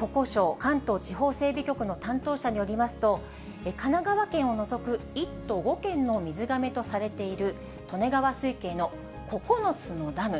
国交省関東地方整備局の担当者によりますと、神奈川県を除く１都５県の水がめとされている利根川水系の９つのダム。